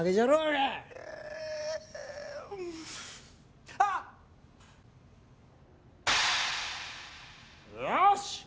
よし！